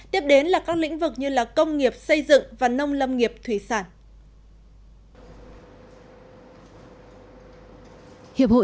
tiếp đến là các lĩnh vực như công nghiệp xây dựng và nông lâm nghiệp thủy sản